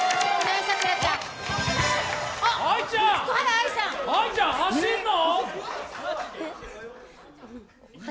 愛ちゃん走るの？